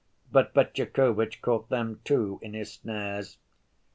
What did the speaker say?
But Fetyukovitch caught them, too, in his snares.